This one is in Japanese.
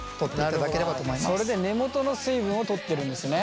それで根元の水分を取ってるんですね。